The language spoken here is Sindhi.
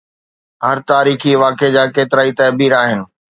هر تاريخي واقعي جا ڪيترائي تعبير آهن.